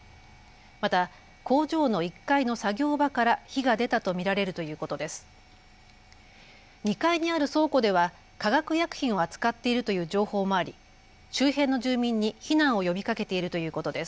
また工場の１階の作業場から火が出たと見られるということです。